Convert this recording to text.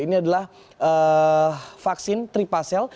ini adalah vaksin tripacel